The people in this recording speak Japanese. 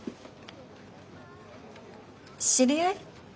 知り合い？